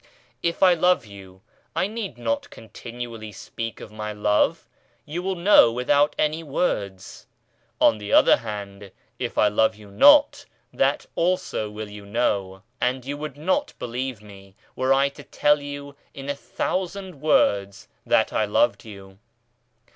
If I love you, I need not continually speak of my love you will know without any words. On the other hand if I love you not, that also will you know and you POWER OF TRUE THOUGHT 13 would not believe me, were I to tell you in a thousand words, that I loved you.